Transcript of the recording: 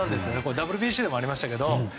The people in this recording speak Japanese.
ＷＢＣでもありましたけど。